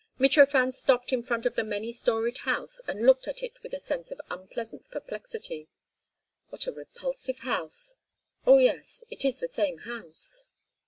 Mitrofan stopped in front of the many storied house and looked at it with a sense of unpleasant perplexity. "What a repulsive house! Oh, yes, it is the same house."